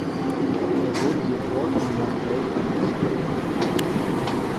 Er wurde sofort in Mortlake angestellt.